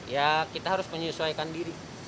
ya kita harus menyesuaikan diri